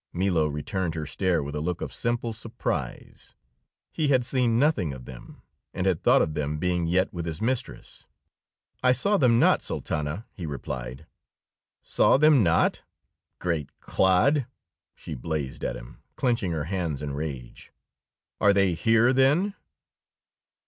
Milo returned her stare with a look of simple surprise. He had seen nothing of them, and had thought of them being yet with his mistress. "I saw them not, Sultana," he replied. "Saw them not, great clod!" she blazed at him, clenching her hands in rage. "Are they here, then?"